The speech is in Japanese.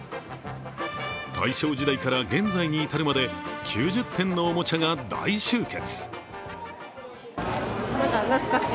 大正時代から現在に至るまで９０点のおもちゃが大集結。